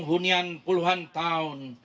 hunian puluhan tahun